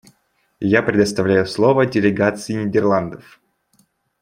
Я предоставляю слово делегации Нидерландов.